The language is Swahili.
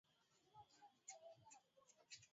kustaafu na shule kupewa pension zako za maisha